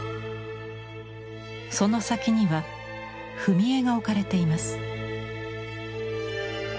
その先には踏み絵が置かれています。